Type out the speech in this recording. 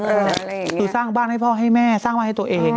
คือสร้างบ้านให้พ่อให้แม่สร้างบ้านให้ตัวเอง